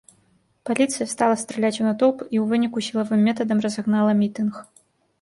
Паліцыя стала страляць у натоўп і ў выніку сілавым метадам разагнала мітынг.